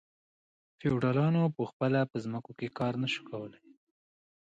فیوډالانو په خپله په ځمکو کې کار نشو کولی.